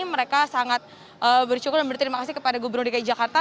mereka sangat bersyukur dan berterima kasih kepada gubernur dki jakarta